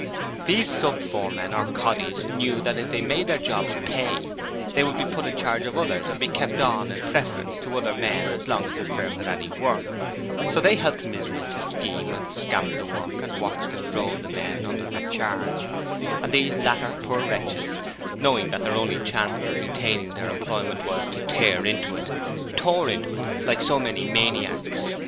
These sub foremen or 'coddies' knew that if they 'made their jobs pay' they would be put in charge of others and be kept on in preference to other men as long as the firm had any work; so they helped Misery to scheme and scamp the work and watched and drove the men under their charge; and these latter poor wretches, knowing that their only chance of retaining their employment was to 'tear into it', tore into it like so many maniacs.